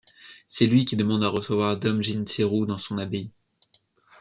C'est lui qui demande à recevoir Dom Jean Thiroux dans on abbaye.